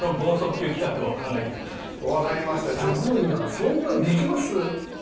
そんなんできます？